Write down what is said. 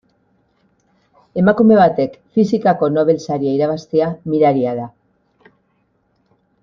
Emakume batek fisikako Nobel saria irabaztea miraria da.